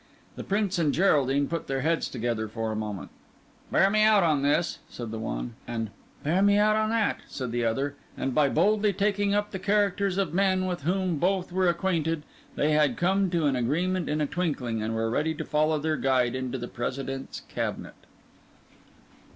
The Prince and Geraldine put their heads together for a moment. "Bear me out in this," said the one; and "bear me out in that," said the other; and by boldly taking up the characters of men with whom both were acquainted, they had come to an agreement in a twinkling, and were ready to follow their guide into the President's cabinet.